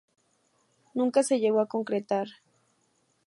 Nunca se llegó a concretar.